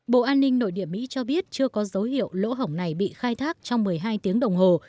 bộ an ninh nội địa mỹ cho biết chưa có dấu hiệu lỗ hỏng này bị khai thác trong một mươi hai tiếng đồng hồ